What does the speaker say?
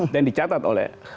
dan dicatat oleh